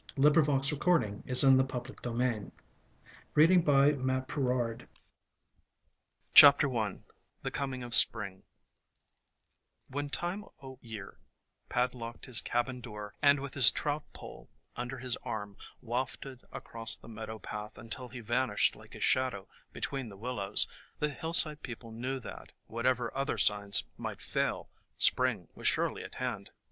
334 Cedar Berries M. O. W. . 336 Catbrier 339 The Fire Logs— Finis .341 I THE COMING OF SPRING 'HEN Time o' Year padlocked his cabin door and with his trout pole under his arm wafted across the meadow path until he vanished like a shadow between the willows, the hillside people knew that, whatever other signs might fail, Spring was surely at hand.